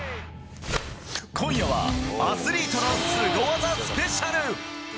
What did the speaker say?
今夜は、アスリートのスゴ技スペシャル。